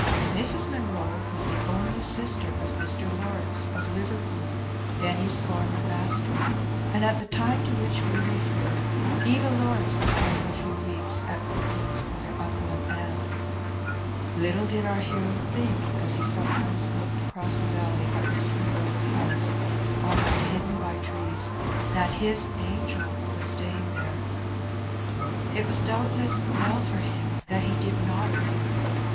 Mrs. Munroe was the only sister of Mr. Lawrence, of Liverpool, Benny^s former master, and, at tlie time to which we refer, Eva Lawrence was spending a few weeks at Brook lands with her uncle and aunt. Little did our hero think, as he sometimes looked across the valley at Mr. Munroe's house, almost hidden by trees, that his ^' angel" was staying there. It was doubtless well for him that he did not know.